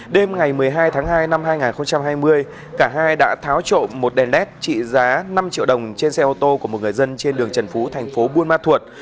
đêm ngày một mươi hai tháng hai năm hai nghìn hai mươi cả hai đã tháo trộm một đèn led trị giá năm triệu đồng trên xe ô tô của một người dân trên đường trần phú thành phố buôn ma thuột